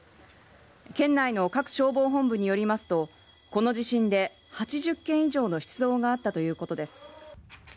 県内の各消防本部によりますとこの地震で８０件以上の出動があったということです。